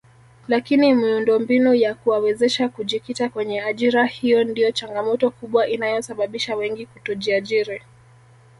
Lakini miundombinu ya kuwawezesha kujikita kwenye ajira hiyo ndio changamoto kubwa inayosababisha wengi kutojiajiri